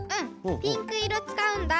ピンクいろつかうんだ。